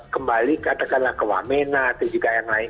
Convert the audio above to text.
kembali katakanlah ke wamena atau juga yang lain